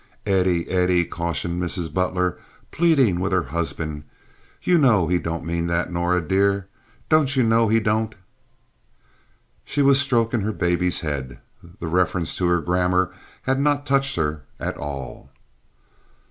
"Eddie! Eddie!" cautioned Mrs. Butler, pleading with her husband. "You know he don't mean that, Norah, dear. Don't you know he don't?" She was stroking her baby's head. The reference to her grammar had not touched her at all.